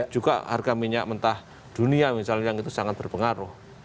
juga harga minyak mentah dunia misalnya yang itu sangat berpengaruh